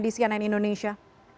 di sianan indonesia